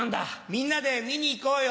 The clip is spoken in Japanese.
みんなで見に行こうよ。